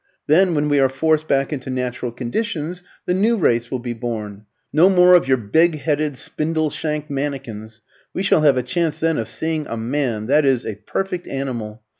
Then, when we are forced back into natural conditions, the new race will be born. No more of your big headed, spindle shanked manikins: we shall have a chance then of seeing a man that is, a perfect animal.